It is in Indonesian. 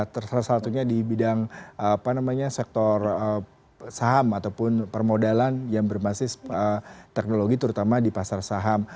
tersasatunya di bidang apa namanya sektor saham ataupun permodalan yang bermasis teknologi terutama di pasar saham